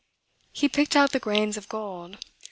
He picked out the grains of gold.